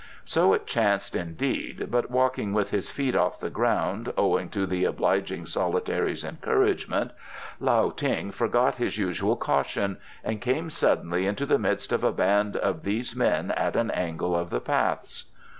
So it chanced indeed, but walking with his feet off the ground, owing to the obliging solitary's encouragement, Lao Ting forgot his usual caution, and came suddenly into the midst of a band of these men at an angle of the paths.